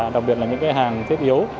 đặc biệt là những cái hàng thiết yếu